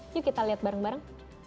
yuk kita lihat bareng bareng